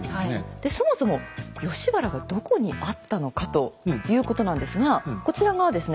でそもそも吉原がどこにあったのか？ということなんですがこちらがですね